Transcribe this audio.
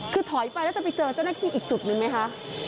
คือถอยไปแล้วจะไปเจอเจ้าหน้าที่อีกจุดนึงไหมคะ